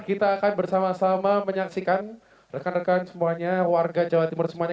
kita akan bersama sama menyaksikan rekan rekan semuanya warga jawa timur semuanya